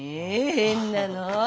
変なの。